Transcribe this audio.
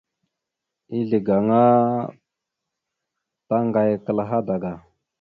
Ezle gaŋa taŋgayakal hadaga.